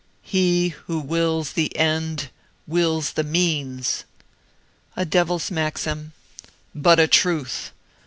"He who wills the END, wills the MEANS." "A devil's maxim." "But a truth.